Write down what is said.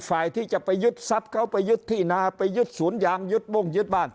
ไฟที่จะไปยืดซับเขาไปยึดที่นะไปยึดศูนย์ยางยึดวงยึดบ้าน